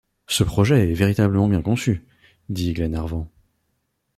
Ce projet est véritablement bien conçu, dit Glenarvan.